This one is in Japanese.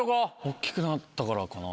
大っきくなったからかな。